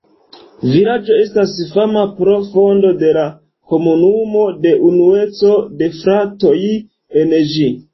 Vilaĝo estas fama pro fondo de la komunumo de "Unueco de fratoj" en ĝi.